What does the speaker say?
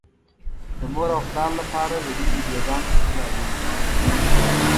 د مور او پلار لپاره د دې ويډيوګانو کتل اړين دي.